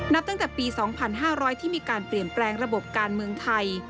นับตั้งแต่ปี๒๕๐๐ที่มีการเปลี่ยนแปลงระบบการเมืองไทย